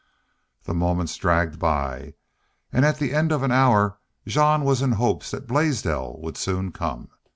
The moments dragged by, and at the end of an hour Jean was in hopes that Blaisdell would soon come.